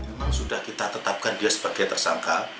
memang sudah kita tetapkan dia sebagai tersangka